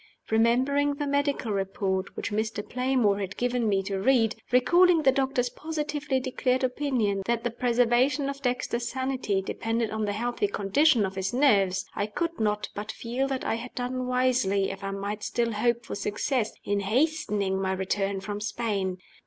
Remembering the medical report which Mr. Playmore had given me to read recalling the doctor's positively declared opinion that the preservation of Dexter's sanity depended on the healthy condition of his nerves I could not but feel that I had done wisely (if I might still hope for success) in hastening my return from Spain.